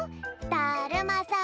だるまさん